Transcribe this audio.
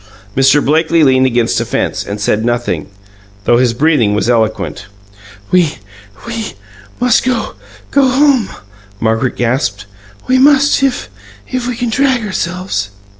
Mr. Blakely leaned against a fence, and said nothing, though his breathing was eloquent. "We we must go go home," Margaret gasped. "We must, if if we can drag ourselves!"